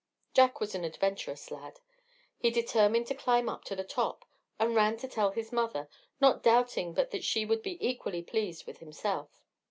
Jack was an adventurous lad; he determined to climb up to the top, and ran to tell his mother, not doubting but that she would be equally pleased with himself.